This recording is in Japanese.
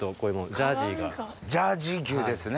ジャージー牛ですね。